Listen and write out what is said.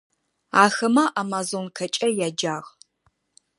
Ахэмэ «Амазонкэкӏэ» яджагъ.